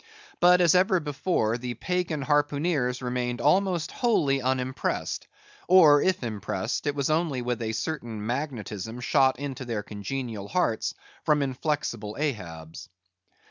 But as ever before, the pagan harpooneers remained almost wholly unimpressed; or if impressed, it was only with a certain magnetism shot into their congenial hearts from inflexible Ahab's.